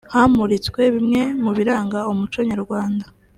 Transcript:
hamuritswe bimwe mu biranga umuco nyarwanda